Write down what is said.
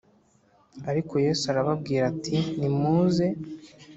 Ariko Yesu arababwira ati nimuze